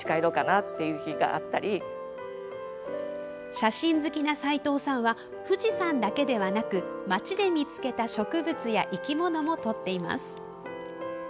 写真好きな斉藤さんは富士山だけではなく町で見つけた植物や生き物も撮っています。